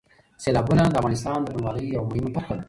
سیلابونه د افغانستان د بڼوالۍ یوه مهمه برخه ده.